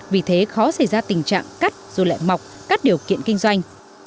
vì thế khó xảy ra tình trạng cắt rồi lại mọc các điều kiện kinh doanh